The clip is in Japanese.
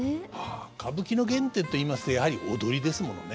歌舞伎の原点といいますとやはり踊りですものね。